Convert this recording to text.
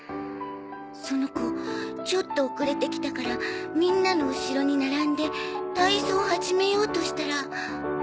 その子ちょっと遅れてきたからみんなの後ろに並んで体操を始めようとしたら。